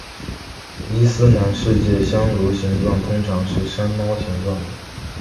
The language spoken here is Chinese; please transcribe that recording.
伊斯兰世界香炉形状通常是山猫形状的。